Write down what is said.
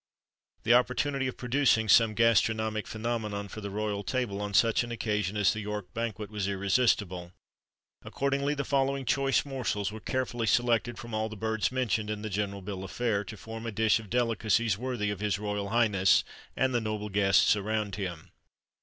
_ The opportunity of producing some gastronomic phenomenon for the royal table on such an occasion as the York Banquet was irresistible; accordingly, the following choice morsels were carefully selected from all the birds mentioned in the general bill of fare, to form a dish of delicacies worthy of his Royal Highness and the noble guests around him.